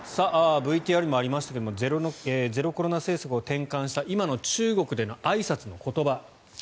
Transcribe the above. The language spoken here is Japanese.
ＶＴＲにもありましたがゼロコロナ政策を転換した今の中国でのあいさつの言葉。